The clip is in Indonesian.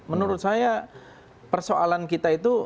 menurut saya persoalan kita itu